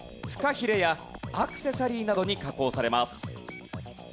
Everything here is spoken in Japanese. フカヒレやアクセサリーなどに加工されます。